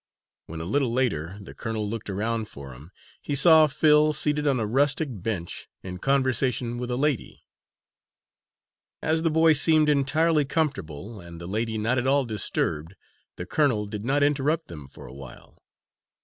When, a little later, the colonel looked around for him, he saw Phil seated on a rustic bench, in conversation with a lady. As the boy seemed entirely comfortable, and the lady not at all disturbed, the colonel did not interrupt them for a while.